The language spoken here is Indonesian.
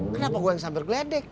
kenapa gue yang disembergeledek